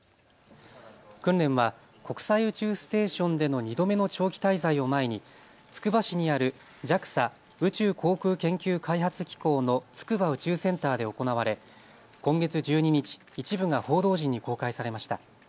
訓練は国際宇宙ステーションでの２度目の長期滞在を前につくば市にあるＪＡＸＡ・宇宙航空研究開発機構の筑波宇宙センターで行われ今月１２日、一部が報道陣に公開されました。